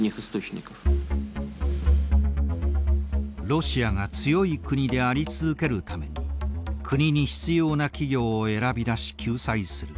ロシアが強い国であり続けるために国に必要な企業を選び出し救済する。